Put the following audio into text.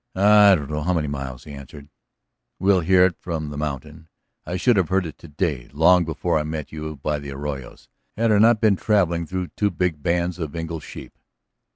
"I don't know how many miles," he answered. "We'll hear it from the mountain. I should have heard it to day, long before I met you by the arroyo, had I not been travelling through two big bands of Engle's sheep."